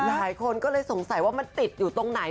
หลายคนก็เลยสงสัยว่ามันติดอยู่ตรงไหน